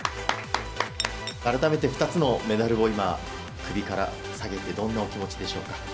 改めて２つのメダルを今首から下げてどんなお気持ちでしょうか。